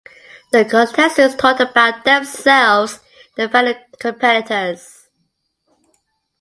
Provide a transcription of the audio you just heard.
The contestants talked about themselves and their fellow competitors.